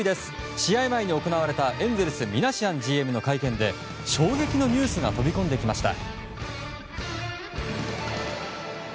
試合前に行われたエンゼルスミナシアンＧＭの会見で衝撃のニュースが飛び込んできました。